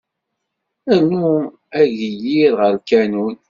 Rnu ageyyir ɣer lkanun.